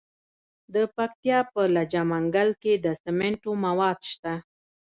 د پکتیا په لجه منګل کې د سمنټو مواد شته.